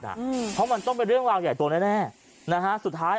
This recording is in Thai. อืมเพราะมันต้องเป็นเรื่องราวใหญ่ตัวแน่แน่นะฮะสุดท้าย